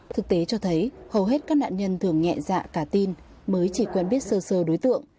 thực tế cho thấy hầu hết các nạn nhân thường nhẹ dạ cả tin mới chỉ quen biết sơ sơ đối tượng